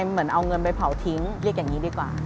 เหมือนเอาเงินไปเผาทิ้งเรียกอย่างนี้ดีกว่า